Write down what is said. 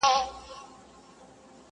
تاته په سرو سترګو هغه شپه بندیوان څه ویل.!